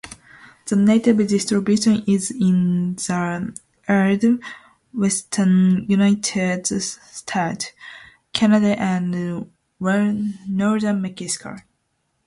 The native distribution is in the arid western United States, Canada, and northern Mexico.